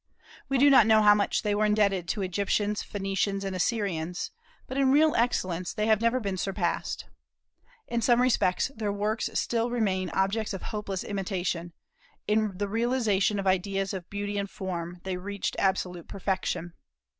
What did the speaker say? We do not know how much they were indebted to Egyptians, Phoenicians, and Assyrians, but in real excellence they have never been surpassed. In some respects, their works still remain objects of hopeless imitation: in the realization of ideas of beauty and form, they reached absolute perfection.